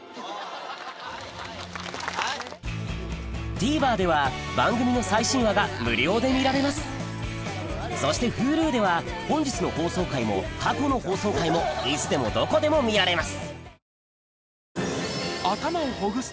ＴＶｅｒでは番組の最新話が無料で見られますそしてＨｕｌｕでは本日の放送回も過去の放送回もいつでもどこでも見られます